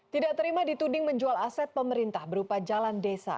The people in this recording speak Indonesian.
tidak terima dituding menjual aset pemerintah berupa jalan desa